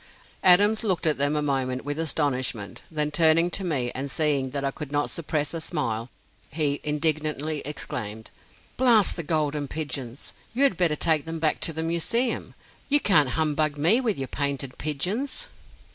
Adams looked at them a moment with astonishment; then turning to me, and seeing that I could not suppress a smile, he indignantly exclaimed: "Blast the Golden Pigeons! You had better take them back to the Museum. You can't humbug me with your painted pigeons!"